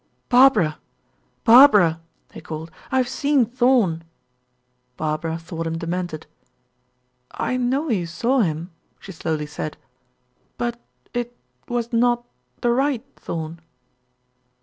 "Barbara! Barbara!" he called. "I have seen Thorn." Barbara thought him demented. "I know you saw him," she slowly said, "but it was not the right Thorn."